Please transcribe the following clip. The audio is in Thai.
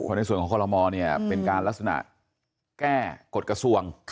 ในส่วนของคอลโมเนี่ยเป็นการลักษณะแก้กฎกระทรวง